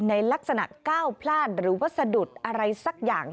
ในลักษณะก้าวพลาดหรือว่าสะดุดอะไรสักอย่าง